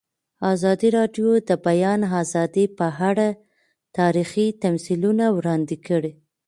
ازادي راډیو د د بیان آزادي په اړه تاریخي تمثیلونه وړاندې کړي.